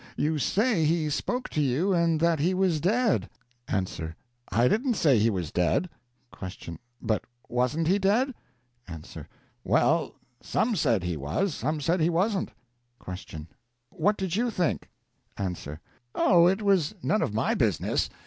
You say he spoke to you, and that he was dead. A. I didn't say he was dead. Q. But wasn't he dead? A. Well, some said he was, some said he wasn't. Q. What did you think? A. Oh, it was none of my business!